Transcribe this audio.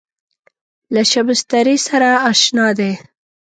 له شبستري سره اشنا دی.